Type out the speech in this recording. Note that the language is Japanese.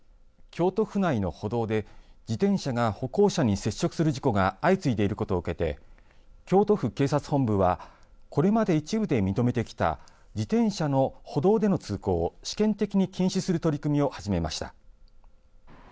京都府内の歩道で自転車が歩行者に接触する事故が相次いでいることを受けて京都府警察本部はこれまで一部で認めてきた自転車の歩道での通行を試験的に禁止する取り組みを始めました。